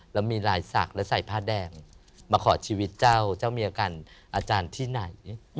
แล้วมีลายศักดิ์และใส่ผ้าแดงมาขอชีวิตเจ้าเจ้าเมียกันอาจารย์ที่ไหน